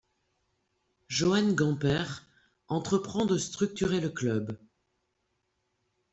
Joan Gamper entreprend de structurer le club.